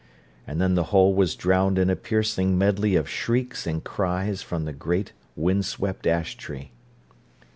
And then the whole was drowned in a piercing medley of shrieks and cries from the great, wind swept ash tree.